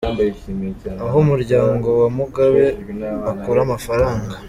Aho Umuryango wa Mugabe ukura amafaranga